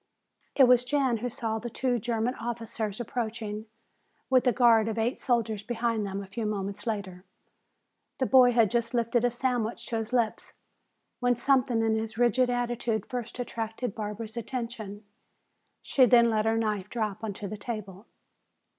It was Jan who saw the two German officers approaching with a guard of eight soldiers behind them a few moments later. The boy had just lifted a sandwich to his lips when something in his rigid attitude first attracted Barbara's attention. She then let her knife drop onto the table.